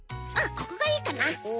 ここがいいかな。